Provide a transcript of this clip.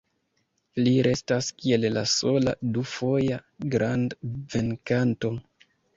Li restas kiel la sola du-foja grand-venkanto.